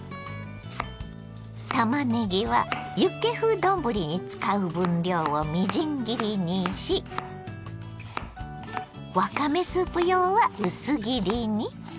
たまねぎはユッケ風丼に使う分量をみじん切りにしわかめスープ用は薄切りに。